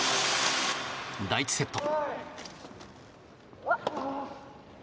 第１セット。